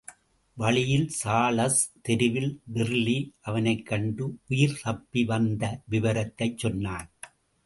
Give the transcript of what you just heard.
வழியில், சார்லஸ் தெருவில் டிர்லி அவனைக் கண்டு உயிர்தப்பிவந்த விபரத்தைச் சொன்னான்.